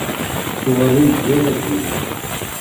Ttuɣalen-d yal aggur.